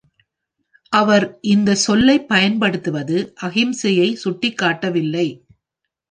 அவர் இந்த சொல்லைப் பயன்படுத்துவது, அஹிம்சையை சுட்டிக் காட்டவில்லை.